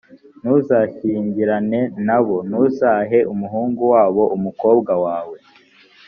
ntuzashyingirane na bo; ntuzahe umuhungu wabo umukobwa wawe